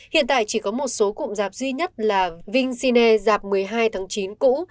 hiện tại chỉ có một số cụm giạp duy nhất là vinh sine giạp một mươi hai tháng chín cũ